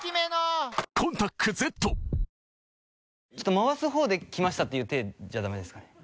回す方で来ましたていう体じゃダメですかね？